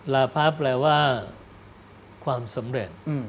ลาพับแปลว่าความสำเร็จ